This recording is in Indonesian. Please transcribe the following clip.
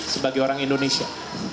sebagai orang indonesia